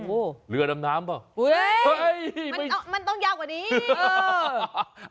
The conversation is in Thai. โอ้โหมันต้องยาวกว่านี้เอ้ย